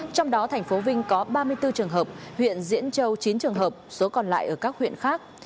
trong đó thành phố vinh có ba mươi bốn trường hợp huyện diễn châu chín trường hợp số còn lại ở các huyện khác